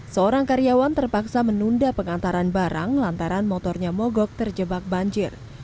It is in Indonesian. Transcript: seorang karyawan terpaksa menunda pengantaran barang lantaran motornya mogok terjebak banjir